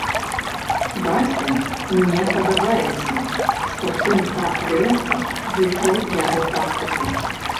Бацьку не падабаецца, што сын так рэзка выкрыў яго тактыку.